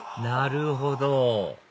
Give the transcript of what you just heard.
なるほど！